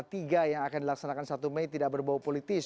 tiga yang akan dilaksanakan satu mei tidak berbau politis